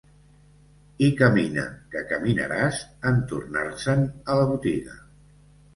I, camina que caminaràs, entornar-se'n a la botiga.